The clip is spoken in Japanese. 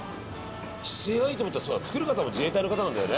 姿勢がいいと思ったらそうだ作る方も自衛隊の方なんだよね。